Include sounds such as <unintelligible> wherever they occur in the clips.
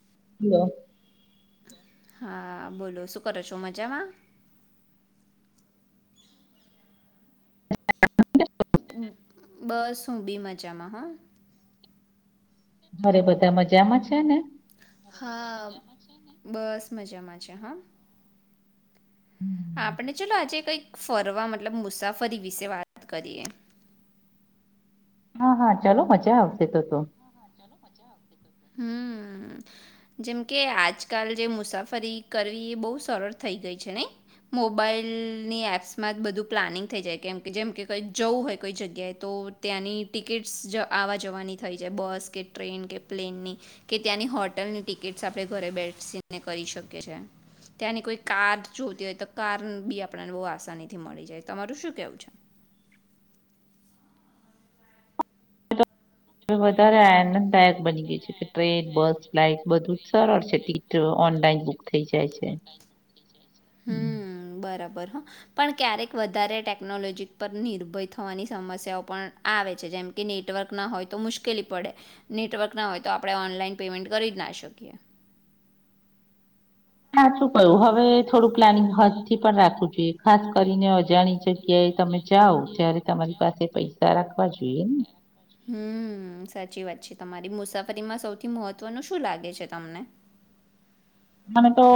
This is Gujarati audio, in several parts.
<unintelligible> હા બોલો શું કરો છો મજામાં? બસ હું બી મજામાં હ. અરે બધા મજામાં છે ને? હા બસ મજામાં છે હા. હમ. આપણે ચલો આજે કઈ ફરવા મતલબ મુસાફરી વિશે વાત કરીએ. હા હા ચાલો મજા આવશે તો તો. હમ જેમકે આજકાલ જે મુસાફરી કરવી એ બહુ સરળ થઇ ગઈ છે નઈ, મોબાઈલની એપ્સમાં બધું પ્લાનિંગ થઇ જાય કેમ કે જેમ કે કઈક જવું હોય કોઈ જગ્યાએ તો ત્યાંની ટિકિટ્સ આવા જવાની થઈ જાય બસ કે ટ્રેન કે પ્લેનની, કે ત્યાંની હોટલની ટિકિટ આપણે ઘરે બેઠસીને કરી શકીએ છે, ત્યાંની કોઈ કાર જોતી હોય તો કાર બી આપને બહ આસાની થી મળી જાય તમારું શું કેવું છે. હવે વધારે આનંદદાયક બની ગય છે કે ટ્રેન બસ ફ્લાઇટ બધું જ સરળ છે ટિકટ ઓનલાઈન બુક થઈ જાય છે. હમ બરાબર. પણ ક્યારેક વધારે ટેકનોલોજી પર નિર્ભય થવાની સમસ્યાઓ પણ આવે છે જેમકે નેટવર્ક ના હોય તો મુશ્કેલી પડે નેટવર્ક ના હોય તો આપણે ઓનલાઈન પેમેન્ટ કરી જ ના શકીએ સાચું કયું હવે થોડું પ્લાનિંગ હજ થી પણ રાખવું જોઈએ ખાસ કરીને અજાણી જગ્યાએ તમે જાઓ ત્યારે તમારી પાસે પૈસા રાખવા જોઈએ ને હમ સાચી વાત છે તમારી મુસાફરીમાં સૌથી મહત્વનું શું લાગે છે તમને મને તો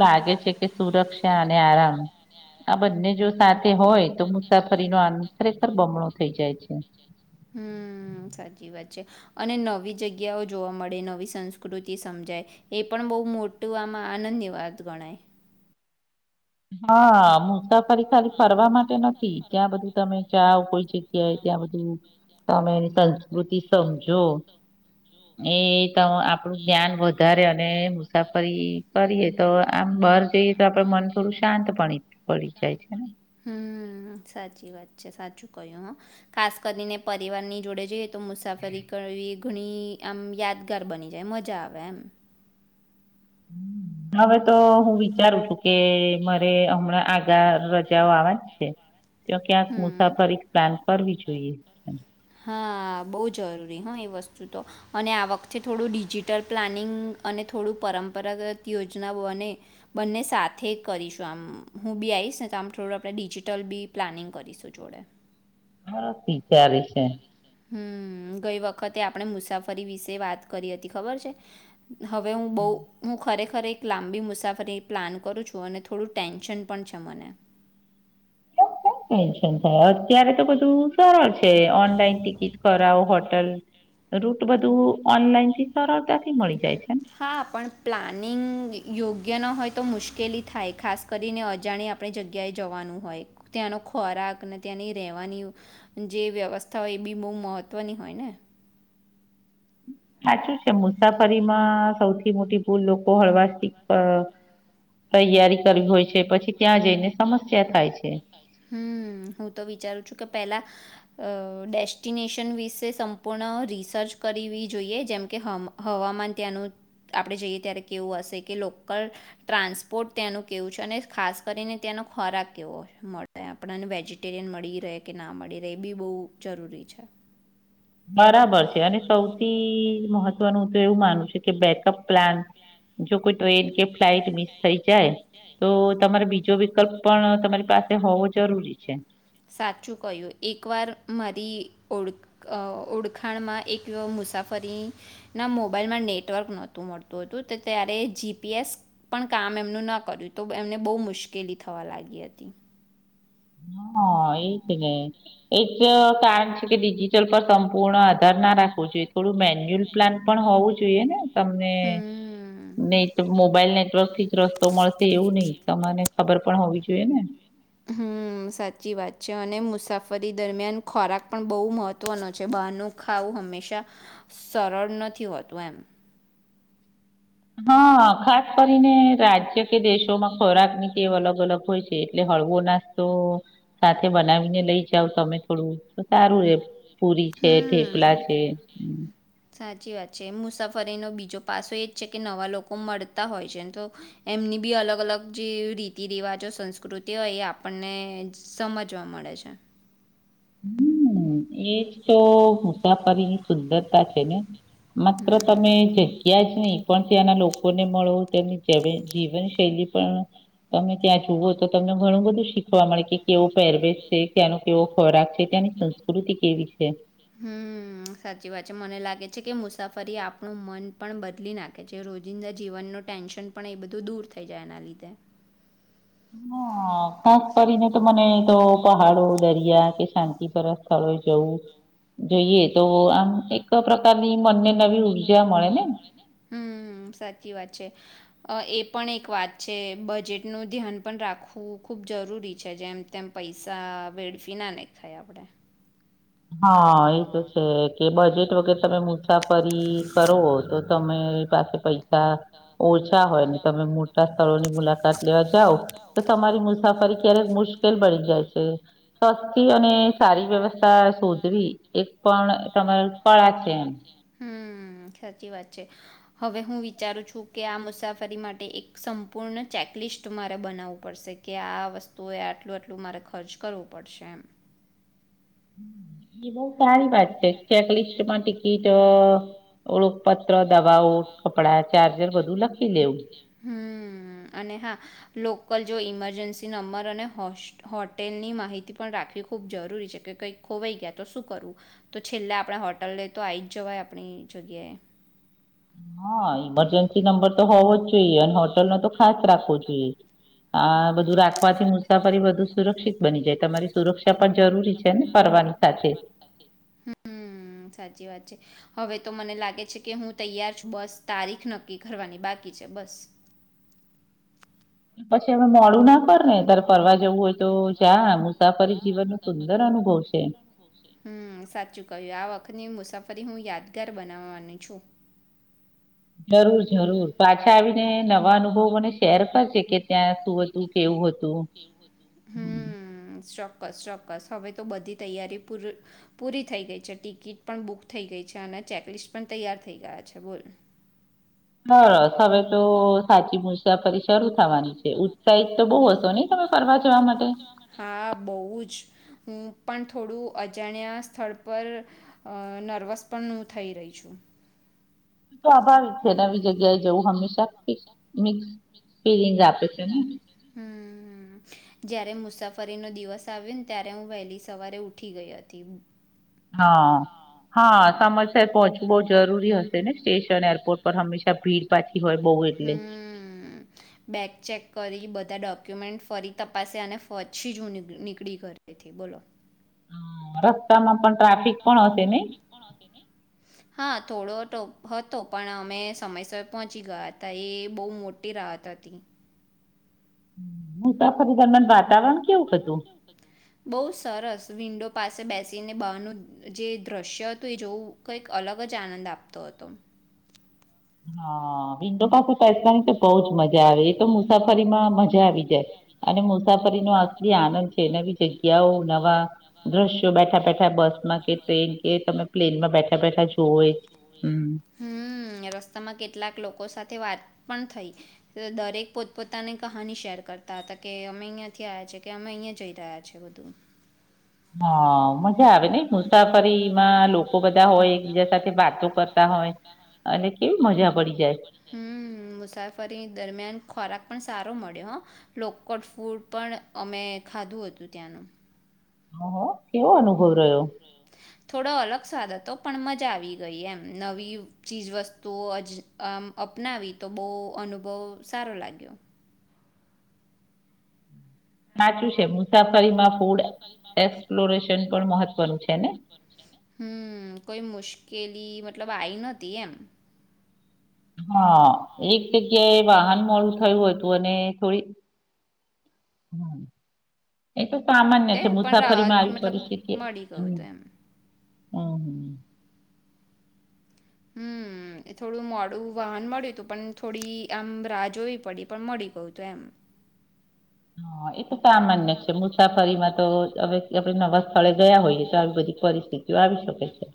લાગે છે કે સુરક્ષા અને આરામ આ બંને જો સાથે હોય તો મુસાફરીનો આન ખરેખર બમણો થઈ જાય છે હમ સાચી વાત છે અને નવી જગ્યાઓ જોવા મળે નવી સંસ્કૃતિ સમજાય એ પણ બહુ મોટું આમાં આનંદની વાત ગણાય હા મુસાફરી ખાલી કરવા માટે નથી ત્યાં બધું તમે જાાવ કોઈ જગ્યાએ ત્યાં બધું તમે સંસ્કૃતિ સમજો એ આપણું જ્ઞાન વધારે અને મુસાફરી કરીએ તો આમ બહાર જઈએ તો આપડ મન થોડું શાંત પણ પડી જાય છે ને હમ સાચી વાત છે સાચું કહ્યું હ ખાસ કરીને પરિવાર ની જોડે જઈ તો મુસાફરી કરવી ઘણી આમ યાદગાર બની જાય મજા આવે એમ હવે તો હું વિચારું છું કે મારે હમણાં આગા રજાઓ આવેજ છે તો ક્યાંક હમ્મ. મુસાફર એક પ્લાન પરવી જોઈએ હા બહુ જરૂરી હા એ વસ્તુ તો અને આ વખતે થોડું ડિજિટલ પ્લાનિંગ અને થોડું પરંપરાગત યોજના બને બંને સાથે કરીશું આમ હું બી આવીશ ને તો આમ થોડું આપણે ડિજિટલ બી પ્લાનિંગ કરીશું જોડે હરતી કરી છે હમ ગઈ વખતે આપણે મુસાફરી વિશે વાત કરી હતી ખબર છે હવે હું બહુ હમ હું ખરેખર ખખરે એક લાંબી મુસાફરી પ્લાન કરું છું અને થોડું ટેન્શન પણ છે મને શું ટેન્શન થાય અત્યારે તો બધું સરળ છે તે ઓનલાઇન ટિકિટ કરાવ હોટલ રૂટ બધું ઓનલાઈન થી સરળતાથી મળી જાય છે ને હા પણ પ્લાનિંગ યોગ્ય ન હોય તો મુશ્કેલી થાય ખાસ કરીને અજાણી આપણી જગ્યાએ જવાનું હોય ત્યાંનો ખોરાક ને ત્યાંની રહેવાની જે વ્યવસ્થા હોય એ બી બહુ મહત્ત્વની હોય ને હચુ છે મુસાફરી માં સૌથી મોટી લોકો હળવાથી તૈયારી <unintelligible> કરવી હોય છે પછી ત્યાં જઈને સમસ્યા થાય છે હમ હું તો વિચારું છું કે પેલા અ ડેસ્ટિનેશન વિશે સંપૂર્ણ રિસર્ચ કરવી જોઈએ જેમકે હવામાન ત્યાંનું આપણે જઈએ ત્યારે કેવું હશે કે લોકલ ટ્રાન્સપોર્ટ તેનું કેવું છે અને ખાસ કરીને તેનો ખોરાક કેવો મળે આપણને વેજીિટેરિયન મળી રહે કે ના મળી રહે એ બી બહુ જરૂરી છે બરાબર છે અને સૌથી મહત્વ તનું તો એવું માનું છું કે બેકઅપ પ્લાન જો કોઈ ટ્રેન કે ફ્લાઈટ મિસ થઈ જાય તો તમારે બીજો વિકલ્પ પણ તમારી પાસે હોવો જરૂરી છે સાચું કહ્યું એક વાર મારી ઓ ઓળખાણમાં એક મુસાફરીના મોબાઈલમાં નેટવર્ક નહોતું મળતું હતું ત્યારે જીપીએસ પણ કામ એમનું ન કર્યું તો એમને બહુ મુશ્કેલી થવા લાગી હતી હા એજ ને એજ કારણ છે કે ડિજિટલ પાસે સંપૂર્ણ આધાર ના રાખવો જોઈએ થોડું મેન્યુઅલ પ્લાન પણ હોવું જોઈએ ને તમને હમ નેટ મોબાઈલ નેટવર્કથી જ રસ્તો મળશે એવું નહી તમારે ખબર પણ હોવી જોઈએ ને હમ સાચી વાત છે અને મુસાફરી દરમિયાન ખોરાક પણ બહુ મહત્વનો છે બહારનું ખાવું હંમેશા સરળ નથી હોતું એમ હા ખાસ કરીને રાજ્ય કે દેશોમાં ખોરાક ની તેટેવ અલગ અલગ હોય છે એટલે હળવો નાસ્તો સાથે બનાવીને લઈ જાવ તમે થોડું સારું રે પુરી છે હમ થેપલા છે સાચી વાત છે એ મુસાફરીનો બીજો પાસો એ જ છે કે નવા લોકો મળતા હોય છે તો એમની બી અલગ અલગ જે રીતિ રિવાજો સંસ્કૃતિઓ એ આપણને સમજવા મળે છે હમ એ જ તો વ્યાપારી ની સુંદરતા છે ને માત્ર તમે જગ્યા જ નહી. પણ ત્યાંના લોકોને મળો તેમની જ જીવનશૈલી પણ તમે ત્યાં જુઓ તો તમને ઘણું બધું શીખવા મળે કે કેવો પેરવેેશ છે ત્યાંનો કેવો ખોરાક છે ત્યાંની સંસ્કૃતિ કેવી છે. હમ સાચી વાત છે મને લાગે છે કે મુસાફરી આપણું મન પણ બદલી નાખે છે રોજિંદા જીવનનું ટેન્શન પણ એ બધું દૂર થઈ જાય એના લીધે. હા. ખાસ કરીને તો મને તો પહાડો દરિયા કે શાંતિપ સ્થળો જવું જોઈએ તો આમ એક પ્રકારની મનને નવી ઉર્જા મળે ને. હમ સાચી વાત છે એ પણ એક વાત છે બજેટનું ધ્યાન પણ રાખવું ખુબ જરૂરી છે જેમ તેમ પૈસા વેડફી ના દેખાય આપડે. હા એ તો છે કે બજેટ વગેર તમે મુસાફરી કરો તો તમે પાસે પૈસા ઓછા હોય ને તમે મોટા સ્થળોની મુલાકાત લેવા જાઓ તો તમારી મુસાફરી ક્યારેક મુશ્કેલ પડી જાય છે સસ્તી અને સારી વ્યવસ્થા શોધવી એક પણ તમે કળા છે એમ. હમ્ સાચી વાત છે હવે હું વિચારું છું કે આ મુસાફરી માટે એક સંપૂર્ણ ચેકલિસ્ટ મારે બનાવવું પડશે કે આ વસ્તુએ આટલું આટલું મારે ખર્ચ કરવું પડશે એમ. એ બહુ સારી વાત છે ચેકલિસ્ટમાં ટિકિટ ઓળખપત્ર દવાઓ કપડા ચાર્જર બધું લખી લેવું. હમ અને હા લોકલ જો ઈમરજન્સી નંબર અને હોસ હોટેલની માહિતી પણ રાખવી ખૂબ જરૂરી છે કે કંઈક ખોવાઈ ગયા તો શું કરવું તો છેલ્લા આપણે હોટલ લે તો આવી જ જવાય આપણી જગ્યાએ. હા. ઇમરજન્સી નંબર તો હોવો જ જોઈએ અને હોટેલનો તો ખાસ રાખવો જોઈએ આ બધું રાખવાથી મુસાફરી બધુ સુરક્ષિત બની જાય તમારી સુરક્ષા પણ જરૂરી છે ને ફરવાની સાથે. હમ્મ સાચી વાત છે હવે તો મને લાગે છે કે હું તૈયાર છું બસ તારીખ નક્કી કરવાની બાકી છે બસ. પછી અમે મોડું ના કર ને હું તારે ફરવા જવું હોય તો જા મુસાફરી જીવનનો સુંદર અનુભવ છે. સાચું ક્યું આ વખત ની મુસાફરી મુસાફરી હું યાદગાર બનાવવાની છું. જરૂર જરૂર પાછા આવીને નવા અનુભવ મને શેર કરશે. ત્યાં શું હતું કેવું હતું. ચોક્સ ચોક્કસ હવે તો બધી તૈયારી પૂર પૂરી થઈ ગઈ છે ટિકિટ પણ બુક થઈ ગઈ છે અને ચેકલિસ્ટ પણ તૈયાર થઈ ગયા છે બોલ. હા હવે તો સાચી મુસાફરી શરૂ થવાની છે. સાઈજ તો બહુ હશો નહી તમે ફરવા જવા માટે. હા બહુ જ હું પણ થોડું અજાણ્યા સ્થળ પર અ નર્વસ પણ હું થઈ રહી છું. તતો આભાર નવી જગ્યાએ જવું હંમેશા મિક્સ ફિલિંગ આપે છે ને. હમ જયારે મુસાફરીનો દિવસ આવ્યો ને ત્યારે હું વહેલી સવારે ઉઠી ગઈ હતી. હા હા. હું સમયસર પહોંચવું બહુ જરૂરી હશે ને સ્ટેશન એરપોર્ટ પર હંમેશા ભીડ પાછી હોય બહુ એટલે બેગ ચેક કરી બધા ડોક્યુમેન્ટ, ફરી તપાસ અને પછી જ હું નીકળી ગ બોલો. રસ્તામાં પણ ટ્રાફિક પણ, હશે નહીં. હા થોડો હતો, પણ અમે સમયસર પહોંચી ગયા હતા, એ બહુ મોટી રાહત હતી. <inaudible> ખરી દરમિયાન વાતાવરણ કેવું, હતું. બહુ સરસ વિન્ડો પાસે બેસીને બહારનું જે દ્રશ્ય હતું, એ જોવું કઈક અલગ જ આનંદ આપતો હતો. હા વિન્ડો પાસે. <unintelligible> તો બહ જ મજા આવે, એ તો મુસાફરીમાં મજા આવી જાય અને મુસાફરીનોો આલી આનંદ છે, નવી જગ્યાઓ નવા દ્રશ્યો બેઠા બેઠા બસમાં કે ટ્રેન કે તમે પ્લેનમાં બેઠા, બેઠા જવ હમ. સ્માં, કેટલાક લોકો સાથે વાત. પણ થઈ દરેક પોતપોતાની કહાની શેર કરતા હતા, કે અમે અહિયાંથી આવ્યા છે, કે અમે અહિયાં જઈ રહ્યા છે બધું. હા, મ. આવે નને મુસાફરીમા લોકો બધા હોય, એકબીજા સાથે વાતો કરતા હોય. અને કેવી મજા પડી જાય. હમ, મુસાફરી દરમિયાન ખોરાક પણ સારો મળ્યો હ લોકડ ફૂડ પણ અમે ખાધું હતું, ત્યાંનું. હ, હ. કેવો, અનુભવ રહ્યો. થોડો અલગ સ્વાદ હતો, પણ મજા આવી ગઈ એમ નવી ચીજ વસ્તુઓ આમ અપનાવી, તો બહ અનુભવ સારો લાગ્યો. નાચું છે, મુસાફ. ફરી ફૂડ એક્સપ્લોરેશ. પણ મહત્વનું છેને. હમ, કોઈ મુશ્કેલી મતલબ આઈ નથી, એમ. હા. એક જગ્યાએ વાહન મોડું થયું, હતું અને. થોડી, એ તો. સામાન્ય એ છે, પણ મુસાફરીમાં રાહત આવી મતલબ પરિસ્થિતિ મળી હ. ગયું હમ, હતું એમ હમ. હમ, એ થોડું મોડું વાહન મળ્યું હતું, પણ થોડી આમ રાહ જોવી પડી પણ મળી ગયું હતું, એમ. હ એ તો સામાન્ય છે, મુસાફરીમાં તો. હવે આપણે નવા સ્થળે ગયા હોઈએ, તો આવી બધી પરિસ્થિતિઓ આવી શકે છે.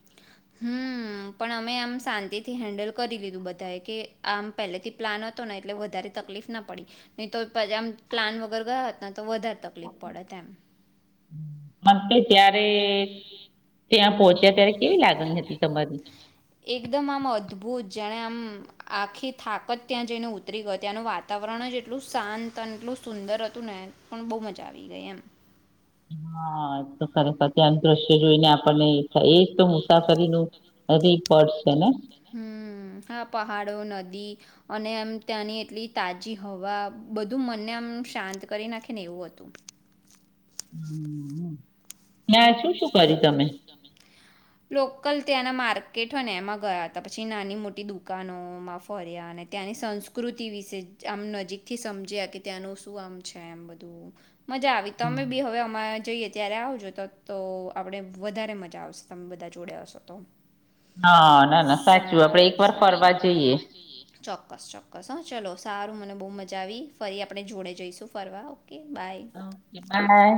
હમ પણ અમે આમ શાંતિથી હેન્ડલ કરી લીધું બધાએ કે આમ પહેલે થી પ્લાન હતો, ને એટલે વધારે તકલીફ ના પડી નહી, તો પ આમ પ્લાન વગર ગયા હતા. તો વધારે તકલીફ, પડે તેમ. મમ તો, ત્યારે ત્યાં પોહોંચ્યા, ત્યારે કેવી લાગણી હતી તમારી અદભુત જેણે આમ આખી થાકત, ત્યાં જઈને ઉતરી ગયો ત્યાંનું વાતાવરણ જ એટલું શાંત અને એટલું સુંદર હતું, ને પણ બહુ મજા આવી ગઈ, એમ. હા, તો ખરે ખર ત્યાં દ્રશ્ય જોઈને, આપણને એ તો તા કરીરી ન રિપોર્ડ, છેને. હમ, હા પહાડો નદી, અને એમ ત્યાંની એટલી તાજી હવા, બધું મનને આમ શાંત કરી નાખે ને એવું હતું. હમ. ના આ શું શું કરીયું તમે. લોકલ ત્યાંના માર્કેટ હોય ને એમાં ગયા હતા પછી નાની મોટી દુકાનોમાં ફર્યા ને ત્યાંની સંસ્કૃતિ વિશે આમ નજીક થી સમજ્યા કે ત્યાંનું શું આમ છે એમ બધું. મજા આવી તમે બી હવે અમા. જઈએ ત્યારે આવજો તો તો આપણે વધારે મજા આવશે તમે બધા જોડે હશો તો હા ના ના સાચું આપડે એક સારું વાર ફરવા સારું જઈએ ચોક્કસ ચોક્કસ હા ચલો સારું મને બહુ મજા આવી ફરી આપણે જોડે જઈશું ફરવા ઓ ઓકે બાય